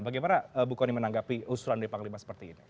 bagaimana bu kony menanggapi usulan dari panglima seperti ini